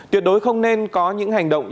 tuyệt đối không nên có những hành động